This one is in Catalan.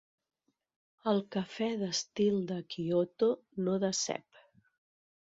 El cafè d'estil de Kyoto no decep.